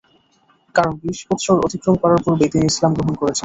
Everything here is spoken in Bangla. কারণ বিশ বৎসর অতিক্রম করার পূর্বেই তিনি ইসলাম গ্রহণ করেছেন।